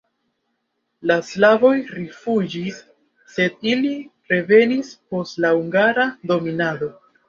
La slavoj rifuĝis, sed ili revenis post la hungara dominado.